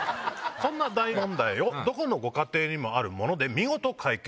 そんな大問題をどこのご家庭にもあるもので見事解決！